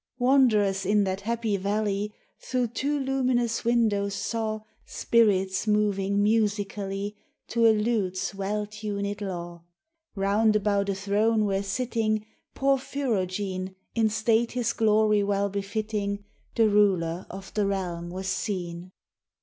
Wanderers in that happy valley Through two luminous windows saw Spirits moving musically, To a lute's well tuned law, Round about a throne where, sitting, Porphyrogene, In state his glory well befitting, The ruler of the realm was seen.